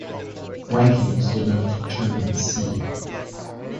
Rankings denote tournament seed.